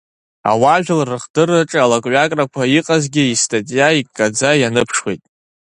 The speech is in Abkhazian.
Ауаажәлар рыхдырраҿы алак-ҩакрақәа иҟазгьы истатиа иккаӡа ианыԥшуеит.